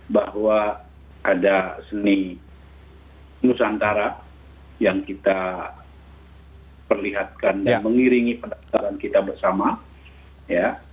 bahwa ada seni nusantara yang kita perlihatkan dan mengiringi pendapatan kita bersama ya